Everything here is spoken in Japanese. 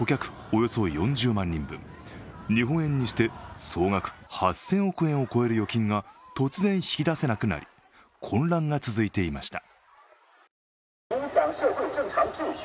およそ４０万人分、日本円にして総額８０００億円を超える預金が突然引き出せなくなり、混乱が続いていました。